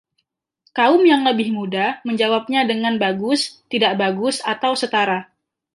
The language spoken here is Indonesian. Kaum yang lebih muda menjawabnya dengan "Bagus", "Tidak bagus" atau "Setara".